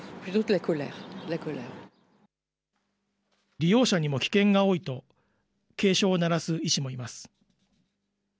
利用者にも危険が多いと、警鐘を鳴らす医師もいます。